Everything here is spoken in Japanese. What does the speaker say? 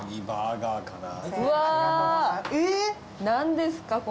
何ですか？